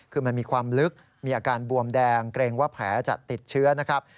คือมันมีความลึกมีอาการบวมแดงเกรงว่าแผลจะติดเชื้อนะครับ